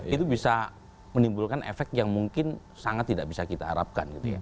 itu bisa menimbulkan efek yang mungkin sangat tidak bisa kita harapkan gitu ya